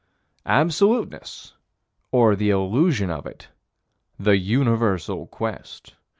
Absoluteness, or the illusion of it the universal quest.